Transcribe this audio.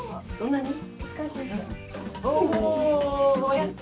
やった！